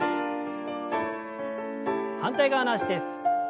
反対側の脚です。